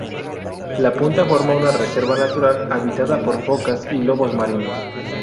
La punta forma una reserva natural habitada por focas y lobos marinos.